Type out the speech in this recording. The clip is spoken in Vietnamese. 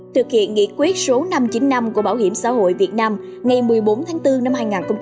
thực hiện nghị quyết số năm mươi chín năm của bảo hiểm xã hội việt nam ngày một mươi bốn tháng bốn năm hai nghìn một mươi bảy